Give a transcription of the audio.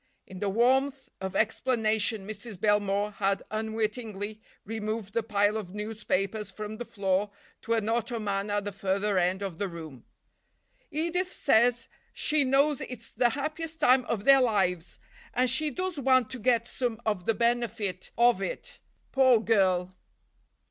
In the warmth of explanation Mrs. Belmore had unwittingly removed the pile of newspapers from the floor to an ottoman at the further end of the room. "Edith says she knows it's the happiest time of their lives, and she does want to get some of the benefit of it, poor girl."